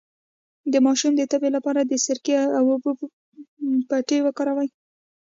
د ماشوم د تبې لپاره د سرکې او اوبو پټۍ وکاروئ